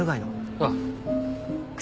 ああ。